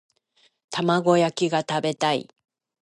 玉子焼きが食べたい